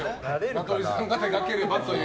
名取さんが手がければという。